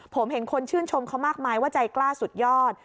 ผมเห็นคนชื่นชมเขามากมายว่าใจกล้าสุดยอด